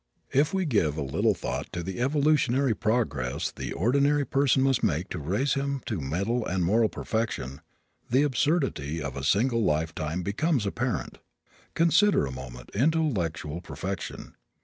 If we give a little thought to the evolutionary progress the ordinary person must make to raise him to mental and moral perfection, the absurdity of a single lifetime becomes apparent. Consider, a moment, intellectual perfection.